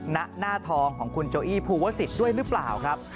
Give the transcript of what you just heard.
หน้าทองของคุณโจอี้ภูวะสิทธิ์ด้วยหรือเปล่าครับ